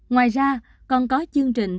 ngoài ra còn có chương trình